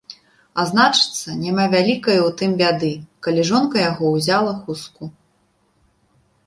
А значыцца, няма вялікае ў тым бяды, калі жонка яго ўзяла хустку.